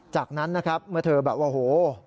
จากนั้นนะครับเมื่อเธอแบบว่าโห